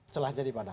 celah jadi mana